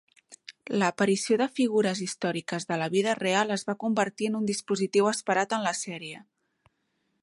L'aparició de figures històriques de la vida real es va convertir en un dispositiu esperat en la sèrie.